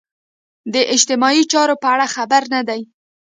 د اجتماعي چارو په اړه خبر نه دي.